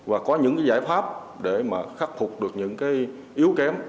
và có những giải pháp để khắc phục được những yếu kém